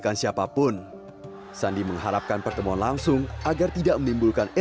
karena utusan utusan itu kan akhirnya nanti akan biasa